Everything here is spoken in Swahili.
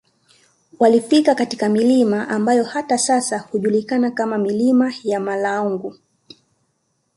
walifika katika milima ambayo hata sasa hujulikana kama milima ya Mulaanga